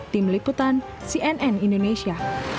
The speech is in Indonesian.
tim liputan cnn indonesia